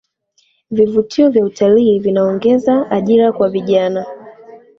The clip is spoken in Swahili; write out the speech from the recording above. vivutio vya utalii vinaongeza ajira kwa vijana